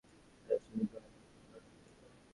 এ সুবুদ্ধি তোমার আগে হল না কেন নন্দ?